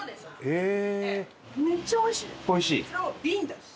へえ。